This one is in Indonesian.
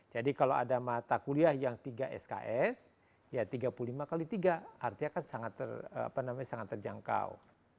jadi kalau ada mata kuliah yang tiga sks ya tiga puluh lima kali tiga artinya kan sangat terjangkau